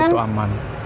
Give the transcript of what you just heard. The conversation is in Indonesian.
baru tuh aman